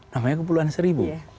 namanya kepulauan seribu